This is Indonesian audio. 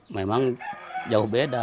memang jauh beda